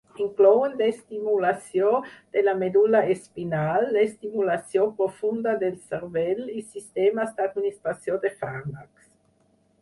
Inclouen l'estimulació de la medul·la espinal, l'estimulació profunda del cervell i sistemes d'administració de fàrmacs.